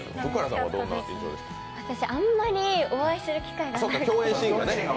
私、あんまりお会いする機会がなくて。